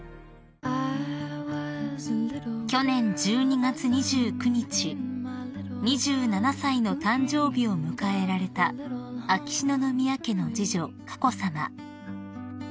［去年１２月２９日２７歳の誕生日を迎えられた秋篠宮家の次女佳子さま］